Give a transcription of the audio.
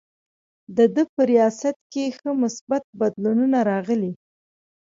د ده په ریاست کې ښه مثبت بدلونونه راغلي.